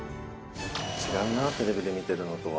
違うなテレビで見てるのとは。